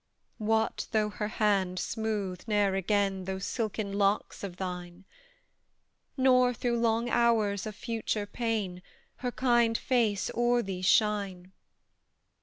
What though her hand smooth ne'er again Those silken locks of thine? Nor, through long hours of future pain, Her kind face o'er thee shine?